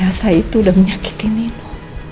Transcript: rasa itu udah menyakiti nino